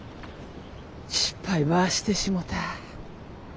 失敗ばしてしもた。